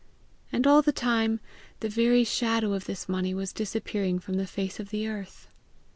And all the time, the very shadow of this money was disappearing from the face of the earth!